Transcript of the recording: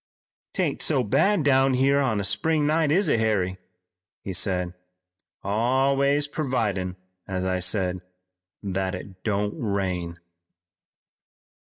"'Tain't so bad down here on a spring night, is it, Harry?" he said. "Always purvidin', as I said, that it don't rain."